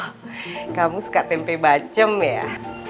oh kamu suka tempe bacem ya